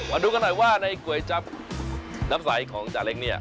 มาดูกันหน่อยว่าในก๋วยจับน้ำใสของจาเล้งเนี่ย